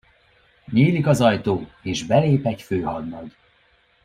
Nyílik az ajtó, és belép egy főhadnagy.